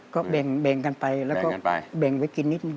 ก็แบ่งกันไปแล้วก็แบ่งไว้กินนิดนึ